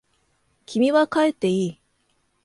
君は帰っていい。